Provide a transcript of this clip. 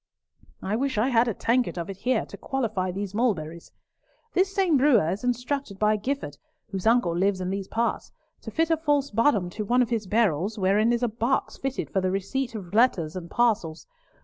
I wish I had a tankard of it here to qualify these mulberries. This same brewer is instructed by Gifford, whose uncle lives in these parts, to fit a false bottom to one of his barrels, wherein is a box fitted for the receipt of letters and parcels.